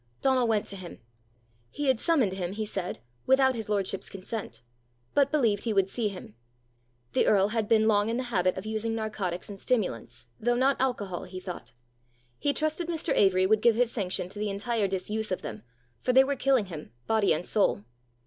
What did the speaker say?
Donal went to him. He had summoned him, he said, without his lordship's consent, but believed he would see him; the earl had been long in the habit of using narcotics and stimulants, though not alcohol, he thought; he trusted Mr. Avory would give his sanction to the entire disuse of them, for they were killing him, body and soul.